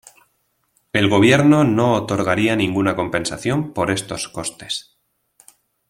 El Gobierno no otorgaría ninguna compensación por estos costes.